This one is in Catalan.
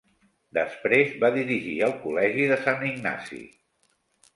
Després va dirigir el Col·legi de Sant Ignasi.